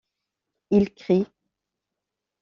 Ils crient.